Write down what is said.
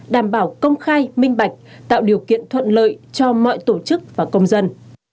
đảm bảo công khai minh bạch tạo điều kiện thuận lợi cho mọi tổ chức và công dân